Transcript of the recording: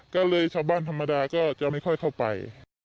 ก็เลยชาวบ้านธรรมดาก็จะไม่ค่อยเข้าไป